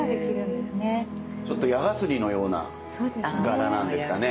ちょっと矢がすりのような柄なんですかね。